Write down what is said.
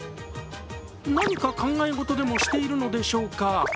何か考え事でもしているのでしょうか？